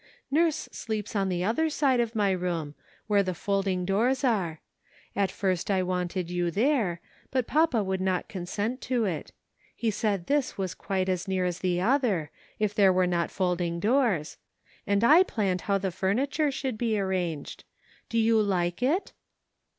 Nurse sleeps on the other side of my room, where the folding doors are ; at first I wanted you there, but papa would not consent to it ; he said this was quite as near as the other, if there were not folding doors ; and I planned how the furniture should be ar ranged. Do you like it?